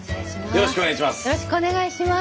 よろしくお願いします。